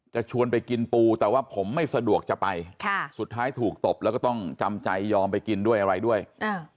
ชวนไปกินปูแต่ว่าผมไม่สะดวกจะไปค่ะสุดท้ายถูกตบแล้วก็ต้องจำใจยอมไปกินด้วยอะไรด้วยอ่า